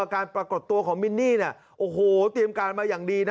การปรากฏตัวของมินนี่เนี่ยโอ้โหเตรียมการมาอย่างดีนะ